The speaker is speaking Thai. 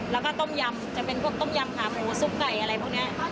แล้วก็ต้มยำจะเป็นพวกต้มยำขาหมูซุปไก่อะไรพวกนี้